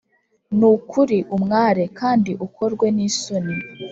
Ni ukuri umware, kandi ukorwe n’isoni